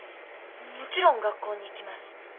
もちろん学校に行きます。